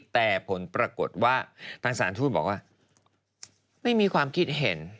แต่ผลปรากฏว่าทางสารทูตบอกว่าไม่มีความคิดเห็น